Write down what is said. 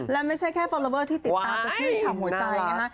และไม่ใช่แค่ฟอลลอเวอร์ที่ติดตามจะชื่นฉ่ำหัวใจนะคะ